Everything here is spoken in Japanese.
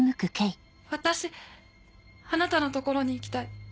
私あなたの所に行きたい。